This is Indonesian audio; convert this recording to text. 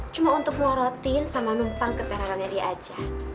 cuma untuk luar rotin sama membang ketengarannya dia aja